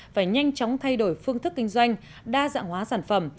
phải nhanh chóng thay đổi phương thức kinh doanh đa dạng hóa sản phẩm